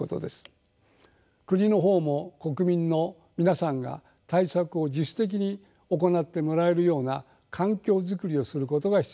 国の方も国民の皆さんが対策を自主的に行ってもらえるような環境作りをすることが必要です。